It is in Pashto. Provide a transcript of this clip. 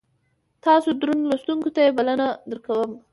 تاسو درنو لوستونکو ته یې بلنه درکوم.